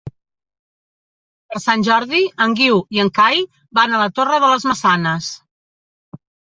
Per Sant Jordi en Guiu i en Cai van a la Torre de les Maçanes.